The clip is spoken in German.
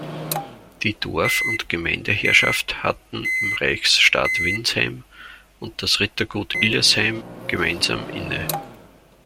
Die Dorf- und Gemeindeherrschaft hatten die Reichsstadt Windsheim und das Rittergut Illesheim gemeinsam inne.